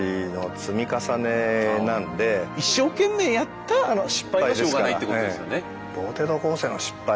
一生懸命やった失敗はしょうがないってことですよね。